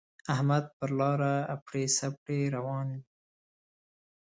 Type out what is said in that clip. احمد پر لاره اپړې سپړې روان وِي.